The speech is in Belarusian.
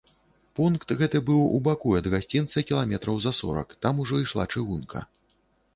Пункт гэты быў у баку ад гасцінца кіламетраў за сорак, там ужо ішла чыгунка.